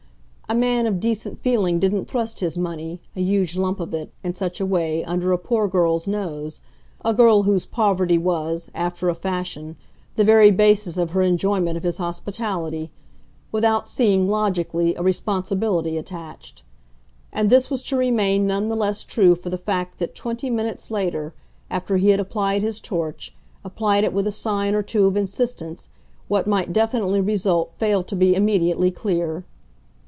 A man of decent feeling didn't thrust his money, a huge lump of it, in such a way, under a poor girl's nose a girl whose poverty was, after a fashion, the very basis of her enjoyment of his hospitality without seeing, logically, a responsibility attached. And this was to remain none the less true for the fact that twenty minutes later, after he had applied his torch, applied it with a sign or two of insistence, what might definitely result failed to be immediately clear.